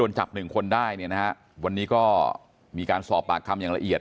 จับหนึ่งคนได้เนี่ยนะฮะวันนี้ก็มีการสอบปากคำอย่างละเอียด